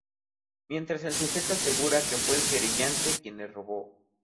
Mientras el Sujeto asegura que fue el querellante quien le robó.